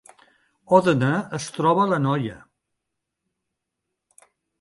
Òdena es troba a l’Anoia